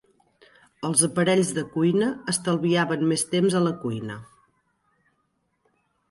Els aparells de cuina estalviaven més temps a la cuina.